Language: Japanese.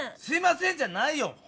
「すいません」じゃないよ。